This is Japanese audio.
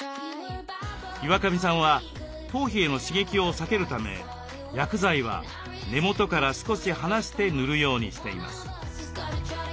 岩上さんは頭皮への刺激を避けるため薬剤は根元から少し離して塗るようにしています。